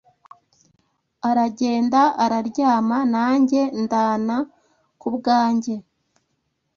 Aragenda aralyama Nanjye ndana ku bwanjye